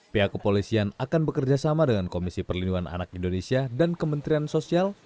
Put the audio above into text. pihak kepolisian akan bekerjasama dengan komisi perlindungan anak indonesia dan kementerian sosial